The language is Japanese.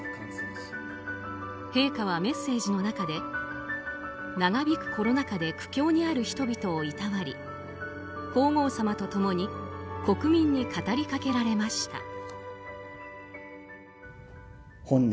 陛下はメッセージの中で長引くコロナ禍で苦境にある人々をいたわり皇后さまと共に国民に語りかけられました。